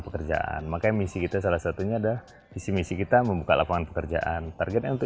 pekerjaan makanya misi itu salah satunya ada isi misi kita membuka lapangan pekerjaan target untuk